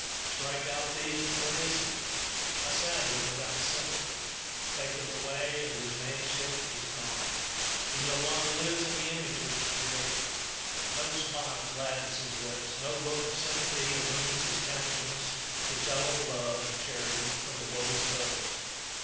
Strike out these and what is he? A savage without sympathy! Take them away, and his manship is gone; he no longer lives in the image of his Creator. No smile gladdens his lips, no look of sympathy illumes his countenance to tell of love and charity for the woes of others.